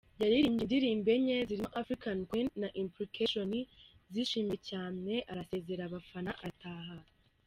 Yaririmbye indirimbo enye zirimo ‘African Queen’ na ‘Implication’ zishimiwe cyane asezera abafana arataha.